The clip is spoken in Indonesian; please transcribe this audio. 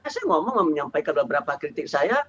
saya ngomong menyampaikan beberapa kritik saya